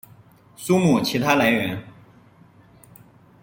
书目其它来源